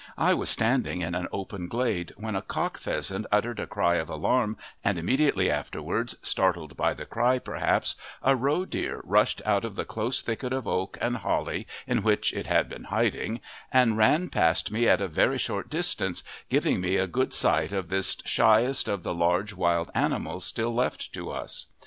I was standing in an open glade when a cock pheasant uttered a cry of alarm, and immediately afterwards, startled by the cry perhaps, a roe deer rushed out of the close thicket of oak and holly in which it had been hiding, and ran past me at a very short distance, giving me a good sight of this shyest of the large wild animals still left to us.